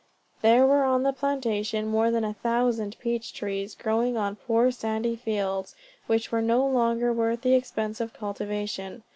There were on the plantation more than a thousand peach trees, growing on poor sandy fields, which were no longer worth the expense of cultivation.